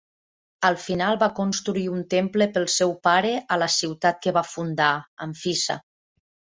Al final va construir un temple pel seu pare a la ciutat que va fundar, Amfissa.